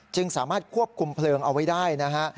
สามารถควบคุมเพลิงเอาไว้ได้นะฮะ